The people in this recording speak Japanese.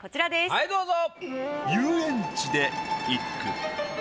はいどうぞ。